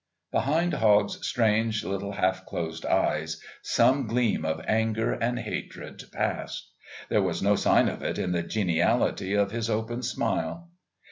Behind Hogg's strange little half closed eyes some gleam of anger and hatred passed. There was no sign of it in the geniality of his open smile.